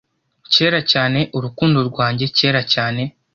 kera cyane, urukundo rwanjye, kera cyane